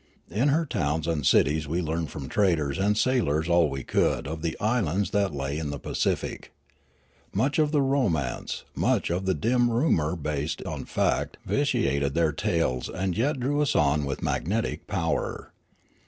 In her towns and cities we learned from traders and sailors all we could of the islands that la}^ in the Pacific. Much of romance, much of dim rumour based on fact vitiated their tales and yet drew us on with magnetic power.